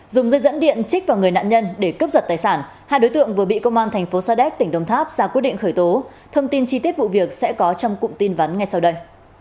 dùng dây dẫn điện trích vào người nạn nhân để cướp giật tài sản hai đối tượng vừa bị công an thành phố sa đéc tỉnh đồng tháp ra quyết định khởi tố thông tin chi tiết vụ việc sẽ có trong cụm tin vắn ngay sau đây